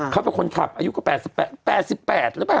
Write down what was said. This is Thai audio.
เขาเป็นคนขับอายุก็๘๘หรือเปล่า